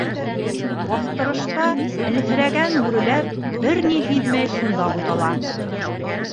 Баҫтырышта әлһерәгән бүреләр бер ни һиҙмәй шунда бутала.